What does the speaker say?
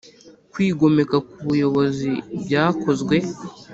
kwigomeka ku buyobozi byakozwe.